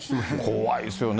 怖いですよね。